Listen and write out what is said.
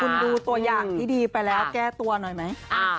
คุณดูตัวอย่างที่ดีไปแล้วแก้ตัวหน่อยไหม